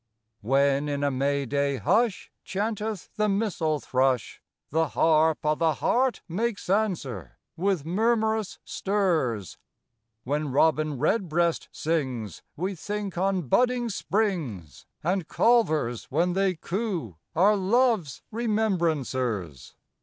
HEN in a May day hush Chanteth the Missel thrush The harp o' the heart makes answer with murmurous stirs ; When Robin redbreast sings, We think on budding springs, And Culvers when they coo are love's remembrancers.